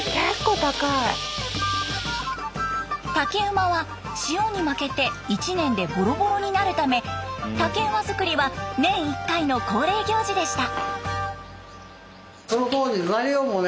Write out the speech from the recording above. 竹馬は潮に負けて１年でボロボロになるため竹馬作りは年１回の恒例行事でした。